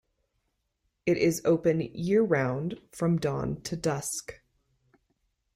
It is open year-round from dawn to dusk.